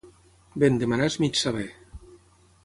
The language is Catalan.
Ben demanar és mig saber.